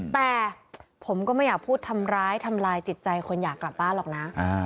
แต่ผมก็ไม่อยากพูดทำร้ายทำลายจิตใจคนอยากกลับบ้านหรอกนะ